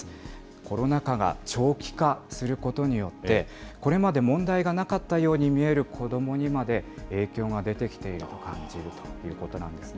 コロナ禍が長期化することによって、これまで問題がなかったように見える子どもにまで影響が出てきていると感じるということなんですね。